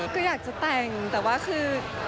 ก็อยากจะแต่งแต่ว่าคือ